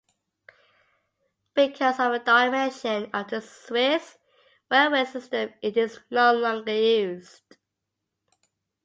Because of the dimension of the Swiss railway system, it is no longer used.